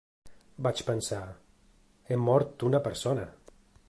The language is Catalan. Vaig pensar: he mort una persona.